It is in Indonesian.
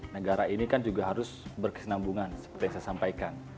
negara ini kan juga harus berkesenambungan seperti yang saya sampaikan